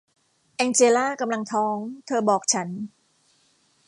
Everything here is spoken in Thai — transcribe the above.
แองเจล่ากำลังท้อง เธอบอกฉัน